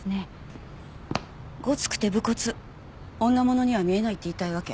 ごつくて武骨女物には見えないって言いたいわけ？